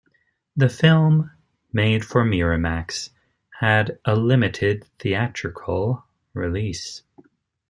The film, made for Miramax, had a limited theatrical release.